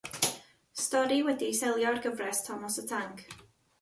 Stori wedi'i seilio ar gyfres Tomos y Tanc.